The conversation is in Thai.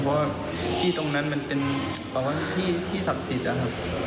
เพราะว่าที่ตรงนั้นมันเป็นที่ศักดิ์สิทธิ์นะครับ